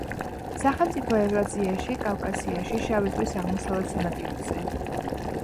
სახელმწიფო ევრაზიაში, კავკასიაში, შავი ზღვის აღმოსავლეთ სანაპიროზე.